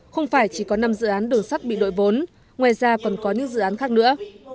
không phải chỉ có năm dự án đường sắt bị đội vốn ngoài ra còn có những dự án khác nữa